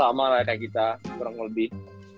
oh sama lah kita kurang lebih